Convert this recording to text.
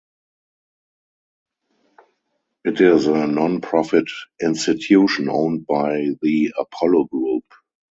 It is a nonprofit institution owned by the Apollo Group.